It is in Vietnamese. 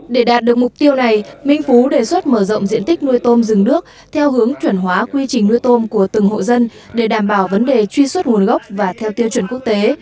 để đạt được mục tiêu này minh phú đề xuất mở rộng diện tích nuôi tôm rừng nước theo hướng chuẩn hóa quy trình nuôi tôm của từng hộ dân để đảm bảo vấn đề truy xuất nguồn gốc và theo tiêu chuẩn quốc tế